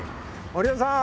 森尾さん！